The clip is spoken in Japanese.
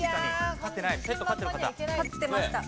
飼ってました。